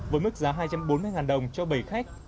với mức giá hai trăm bốn mươi đồng cho bảy khách